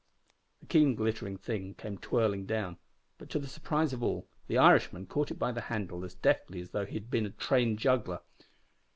The keen glittering thing came twirling down, but to the surprise of all, the Irishman caught it by the handle as deftly as though he had been a trained juggler.